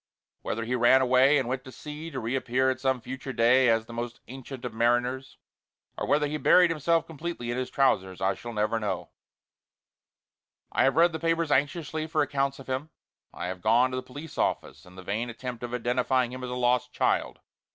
Whether he ran away and went to sea to reappear at some future day as the most ancient of mariners, or whether he buried himself completely in his trousers, I never shall know. I have read the papers anxiously for accounts of him. I have gone to the police office in the vain attempt of identifying him as a lost child.